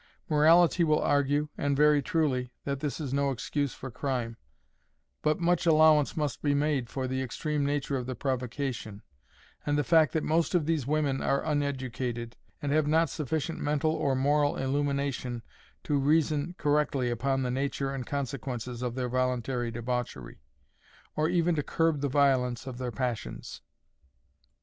Morality will argue, and very truly, that this is no excuse for crime; but much allowance must be made for the extreme nature of the provocation, and the fact that most of these women are uneducated, and have not sufficient mental or moral illumination to reason correctly upon the nature and consequences of their voluntary debauchery, or even to curb the violence of their passions.